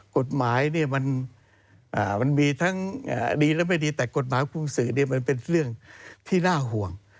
กฎหมายมันมีทั้งดีและไม่ดีแต่กฎหมายคุมสื่อมันเป็นเรื่องที่น่าห่วง